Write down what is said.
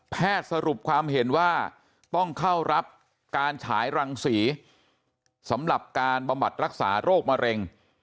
สรุปความเห็นว่าต้องเข้ารับการฉายรังศรีสำหรับการบำบัดรักษาโรคมะเร็ง